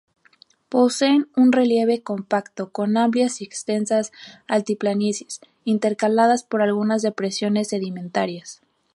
Poseen un relieve compacto, con amplias y extensas altiplanicies, intercaladas por algunas depresiones sedimentarias.